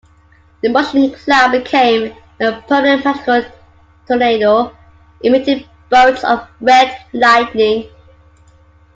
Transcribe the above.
The mushroom cloud became a permanent magical tornado emitting bolts of red lightning.